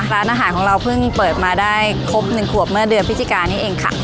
ร้านอาหารของเราเพิ่งเปิดมาได้ครบ๑ขวบเมื่อเดือนพฤศจิกานี่เองค่ะ